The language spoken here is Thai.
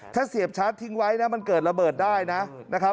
ถ้าเสียบชาร์จทิ้งไว้นะมันเกิดระเบิดได้นะครับ